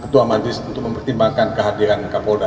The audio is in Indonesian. ketua majelis untuk mempertimbangkan kehadiran kapolda